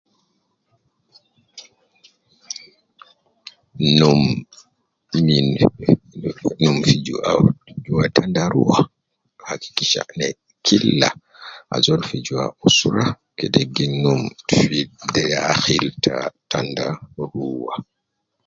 Num ,min, num fi ju jua tandarua, hakikisha ne kila ajol fi jua usra kede gi num te, akhil te tandarua